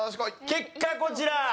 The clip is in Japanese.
結果こちら。